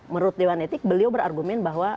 menurut dewan etik beliau berargumen bahwa